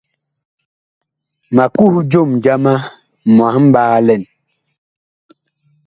Ma kuh jom jama mwahɓaalɛn.